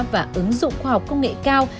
và ứng dụng khoa học công nghệ cao